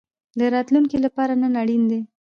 د راتلونکي لپاره نن اړین ده